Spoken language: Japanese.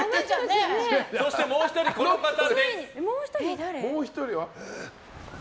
そしてもう１人、この方です。